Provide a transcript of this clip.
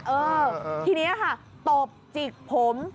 เออทีนี้ค่ะตบจิกผม